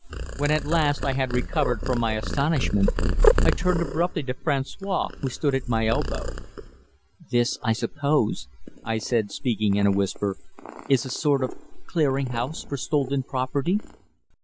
When at last I had recovered from my astonishment, I turned abruptly to François, who stood at my elbow. "This, I suppose," I said, speaking in a whisper, "is a sort of clearing house for stolen property."